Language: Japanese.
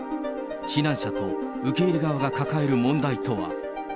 避難者と受け入れ側が抱える問題とは。